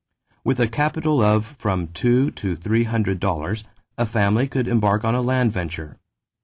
With a capital of from two to three hundred dollars a family could embark on a land venture.